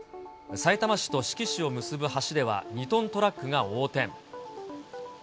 さいたま市と志木市を結ぶ橋では、２トントラックが横転。